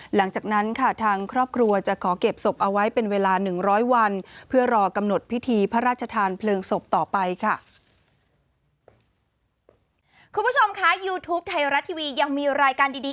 หลังจากนั้นค่ะทางครอบครัวจะขอเก็บศพเอาไว้เป็นเวลา๑๐๐วันเพื่อรอกำหนดพิธีพระราชทานเพลิงศพต่อไปค่ะ